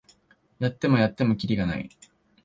やってもやってもキリがない